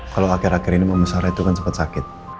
kalau akhir akhir ini mama sarah itu kan sempat sakit